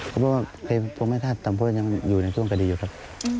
เพราะว่าเคยพวกมันท่านตามเพื่อนอยู่ในส่วนกดีอยู่ครับ